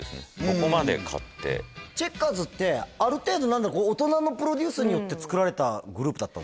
ここまで刈ってチェッカーズってある程度何だこう大人のプロデュースによって作られたグループだったんですか？